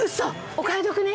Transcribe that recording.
お買い得ね。